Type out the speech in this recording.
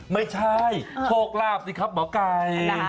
ไม่ใช่โฆกลาภสิค่ะหมอกาย